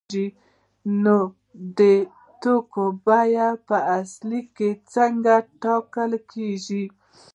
نو د توکو بیه په اصل کې څنګه ټاکل کیږي؟